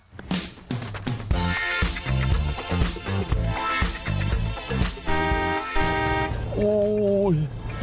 ก็คือออร์นิวอีซูซูนีแม็กซ์ไฮแลนเดอร์